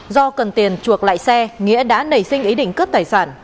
do cần tiền chuộc lại xe nghĩa đã nảy sinh ý định cướp tài sản